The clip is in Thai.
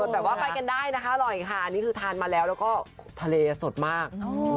แต่ว่าไปกันได้นะคะอร่อยค่ะอันนี้คือทานมาแล้วแล้วก็ทะเลสดมาก